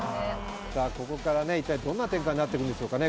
ここからね、一体どんな展開になってくるんでしょうね。